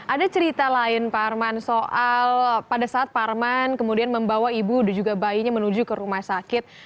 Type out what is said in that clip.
ada cerita lain pak arman soal pada saat pak arman kemudian membawa ibu dan juga bayinya menuju ke rumah sakit